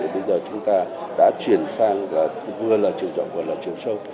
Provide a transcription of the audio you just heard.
bây giờ chúng ta đã chuyển sang vừa là chiều rộng vừa là chiều sâu